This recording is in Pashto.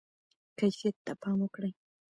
کیفیت ته پام وکړئ